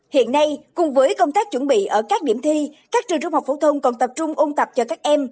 hiện nay cùng với công tác chuẩn bị ở các điểm thi các trường trung học phổ thông còn tập trung ôn tập cho các em